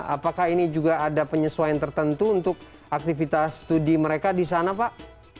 apakah ini juga ada penyesuaian tertentu untuk aktivitas studi mereka di sana pak